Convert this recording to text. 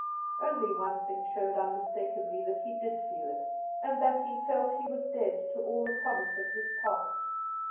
' Only one thing showed unmistakably that he did feel it, and that he felt he was dead to all the promise of his past.